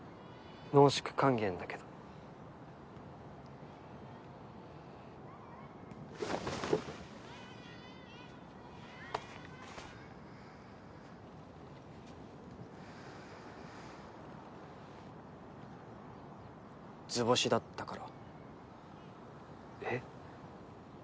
濃縮還元だけど図星だったからえっ？